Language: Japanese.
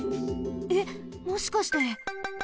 えっもしかして。